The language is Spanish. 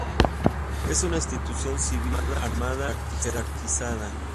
Es una institución civil, armada y jerarquizada.